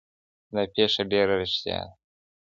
دا پېښه ډېره رښتیا ده.